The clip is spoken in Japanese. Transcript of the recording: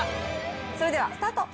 それではスタート。